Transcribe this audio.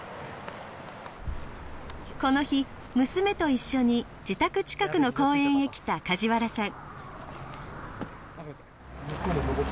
この日娘と一緒に自宅近くの公園へ来た梶原さん。